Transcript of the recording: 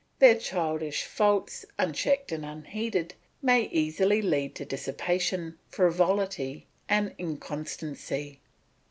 Their childish faults, unchecked and unheeded, may easily lead to dissipation, frivolity, and inconstancy.